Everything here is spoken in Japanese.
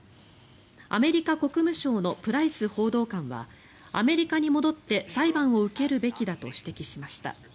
アメリカ国務省のプライス報道官はアメリカに戻って、裁判を受けるべきだと指摘しました。